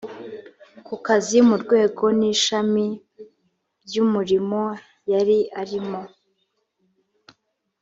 ku kazi mu rwego n ishami by umurimo yari arimo